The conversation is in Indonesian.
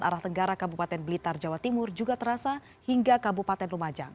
arah tenggara kabupaten blitar jawa timur juga terasa hingga kabupaten lumajang